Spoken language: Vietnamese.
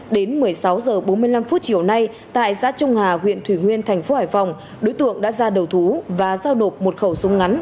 đến một mươi sáu h bốn mươi năm chiều nay tại xã trung hà huyện thủy nguyên thành phố hải phòng đối tượng đã ra đầu thú và giao nộp một khẩu súng ngắn